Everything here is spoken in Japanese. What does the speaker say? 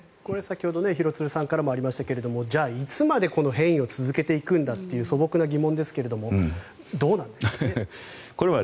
これは先ほど廣津留さんからありましたがじゃあいつまで変異を続けていくんだという素朴な疑問ですがどうなんですかね。